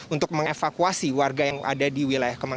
untuk mengevakuasi warga yang ada di wilayah kemang